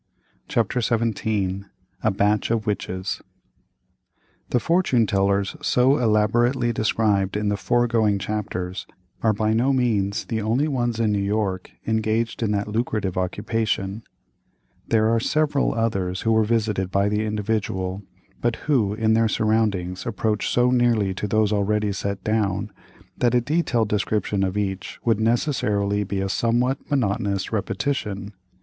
CHAPTER XVII. A BATCH OF WITCHES. The fortune tellers so elaborately described in the foregoing chapters are by no means the only ones in New York, engaged in that lucrative occupation; there are several others who were visited by the Individual, but who in their surroundings approach so nearly to those already set down, that a detailed description of each would necessarily be a somewhat monotonous repetition.